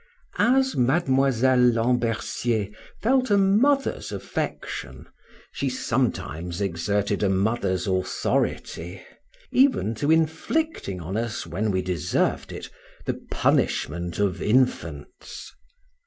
As Miss Lambercier felt a mother's affection, she sometimes exerted a mother's authority, even to inflicting on us when we deserved it, the punishment of infants.